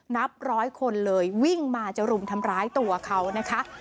นับร้อยคนเลยวิ่งมาจะรุมทำร้ายตัวเขานะคะ